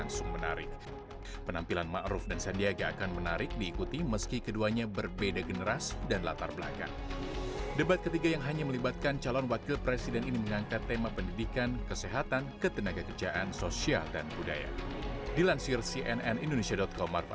sampai jumpa di video selanjutnya